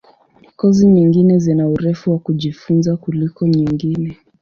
Kozi nyingine zina urefu wa kujifunza kuliko nyingine.